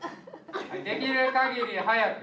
できる限り早く。